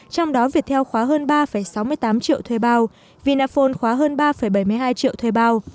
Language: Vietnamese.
trong đó viettel khóa hơn ba sáu mươi tám triệu thuê bao vinaphone khóa hơn ba bảy mươi hai triệu thuê bao